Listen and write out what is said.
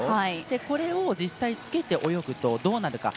これを実際着けて泳ぐとどうなるか。